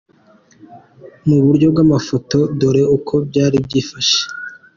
Muburyo bw’amafoto dore uko byari byifashe :.